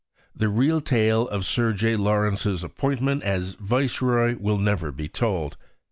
The real tale of Sir J. Lawrence's appointment as Viceroy will never be told.